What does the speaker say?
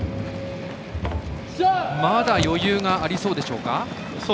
まだ余裕がありそうでしょうか。